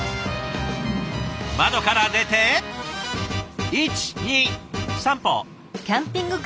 窓から出て１２３歩。